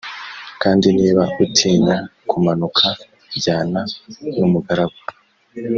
kandi niba utinya kumanuka jyana n umugaragu